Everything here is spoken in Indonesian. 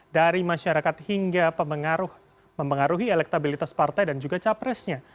dari masyarakat hingga mempengaruhi elektabilitas partai dan juga capresnya